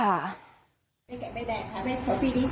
ไปแกะใบแดกค่ะไปขอฟรีดิ